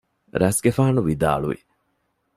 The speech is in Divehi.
ރަސްގެފާނު ވިދާޅުވި